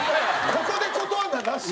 ここで断るのはなしよ。